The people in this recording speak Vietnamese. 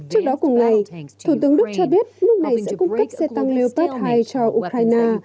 trước đó cùng ngày thủ tướng đức cho biết nước này sẽ cung cấp xe tăng leopard hai cho ukraine